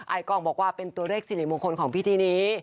กล้องบอกว่าเป็นตัวเลขสิริมงคลของพิธีนี้